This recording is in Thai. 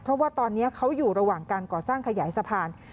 เพราะว่าตอนนี้เขาอยู่ระหว่างการก่อสร้างขยายสะพาน